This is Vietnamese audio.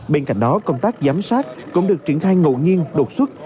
bên cạnh đó công tác giám sát cũng được triển khai ngậu nhiên đột xuất